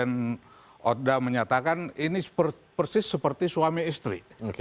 undang undang menyatakan ini persis seperti suami istri